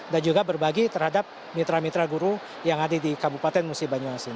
dan juga berbagi terhadap mitra mitra guru yang ada di kabupaten musi banyu asin